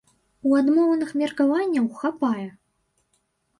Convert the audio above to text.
І адмоўных меркаванняў хапае!